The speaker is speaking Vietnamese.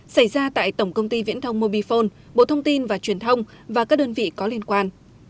xảy ra tại tổng công ty viễn thông mobifone bộ thông tin và truyền thông và các đơn vị có liên quan